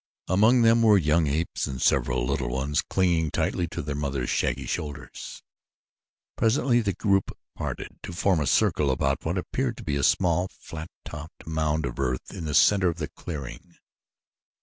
Among them were young apes and several little ones clinging tightly to their mothers' shaggy shoulders. Presently the group parted to form a circle about what appeared to be a small, flat topped mound of earth in the center of the clearing.